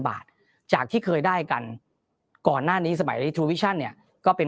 บาทจากที่เคยได้กันก่อนหน้านี้สมัยทูวิชั่นเนี่ยก็เป็น